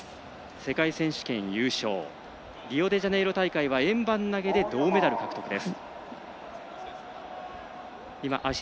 世界選手権優勝リオデジャネイロ大会は円盤投げで銅メダル獲得です。